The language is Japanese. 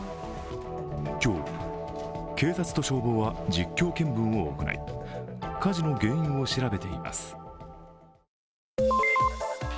今日、警察と消防は実況見分を行い火事の原因を調べています。